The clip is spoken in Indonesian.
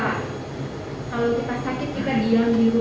kalau kita sakit kita diam di ruang dulu